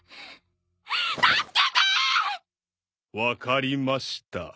分かりました。